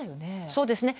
そうですね。